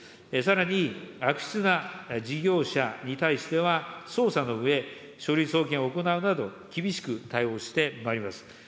さらに、悪質な事業者に対しては、捜査のうえ、書類送検を行うなど、厳しく対応してまいります。